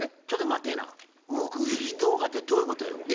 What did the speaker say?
ちょっと待ってぇな目撃動画ってどういうことよ？